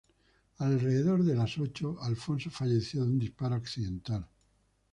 Alrededor de las ocho, Alfonso falleció de un disparo accidental.